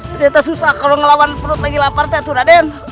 tidak susah kalau melawan penuh lagi lapar raden